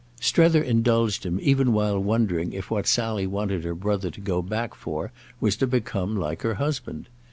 Strether indulged him even while wondering if what Sally wanted her brother to go back for was to become like her husband.